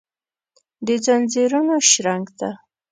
دځنځیرونو شرنګ ته ،